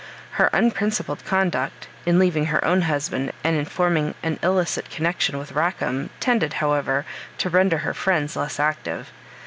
Her unprincipled conduct, in leaving her own husband and forming an illicit connexion with Rackam, tended, however, to render her friends less active.